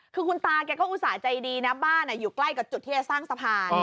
คือคุณตาแกก็อุตส่าห์ใจดีนะบ้านอยู่ใกล้กับจุดที่จะสร้างสะพาน